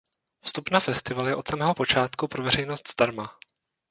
Vstup na festival je od samého počátku pro veřejnost zdarma.